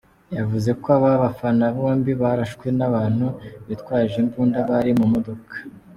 Yavuze ko aba bafana bombi barashwe n’abantu bitwaje imbunda bari mu modoka.